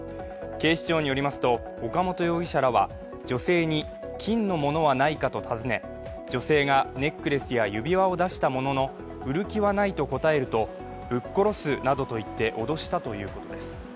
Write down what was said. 警視庁によりますと岡本容疑者らは女性に金のものはないかと尋ね女性がネックレスや指輪を出したものの売る気はないと答えるとぶっ殺すなどと言って脅したということです。